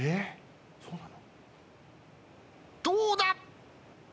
どうだ？